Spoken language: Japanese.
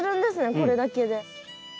これだけで。